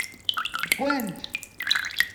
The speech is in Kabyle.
Wwant.